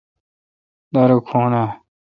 دارو کھون اے°۔